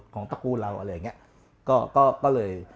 ของตระกูลเราอะไรอย่างเงี้ย